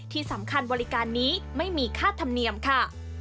ที่สำคัญบริการนี้ไม่มีค่าธรรมเนียมค่ะ